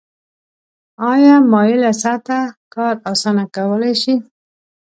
آیا مایله سطحه کار اسانه کولی شي؟